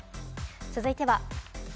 続いては。